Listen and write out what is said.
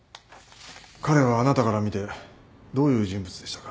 彼はあなたから見てどういう人物でしたか？